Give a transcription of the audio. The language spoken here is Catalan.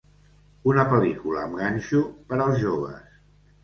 Una pel·lícula amb ganxo per als joves.